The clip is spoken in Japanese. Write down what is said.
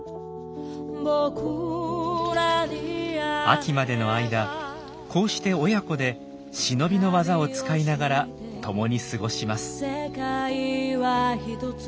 秋までの間こうして親子で忍びの技を使いながら共に過ごします。